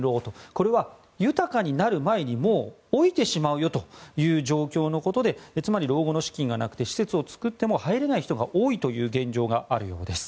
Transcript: これは、豊かになる前にもう老いてしまうよという状況のことでつまり老後の資金がなくて施設を作っても入れない人が多いという現状があるようです。